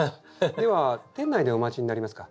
では店内でお待ちになりますか？